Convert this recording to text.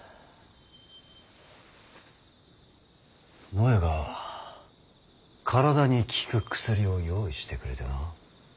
のえが体に効く薬を用意してくれてな。